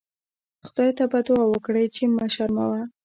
خدای ته به دوعا وکړئ چې مه شرموه.